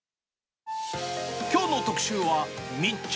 きょうの特集は、密着！